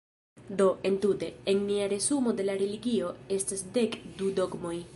Do, entute, en nia resumo de la religio, estas dek du dogmoj.